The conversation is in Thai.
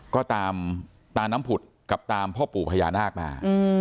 ก็ตามตาน้ำผุดกับตามพ่อปู่พญานาคมา